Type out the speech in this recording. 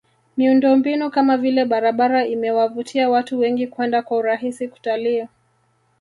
Miundombinu kama vile barabara imewavutia watu wengi kwenda kwa urahisi kutalii